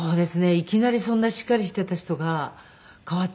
いきなりそんなしっかりしていた人が変わっちゃったんで。